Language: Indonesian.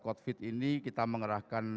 covid ini kita mengerahkan